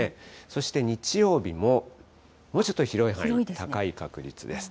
そして日曜日も、もうちょっと広い範囲、高い確率です。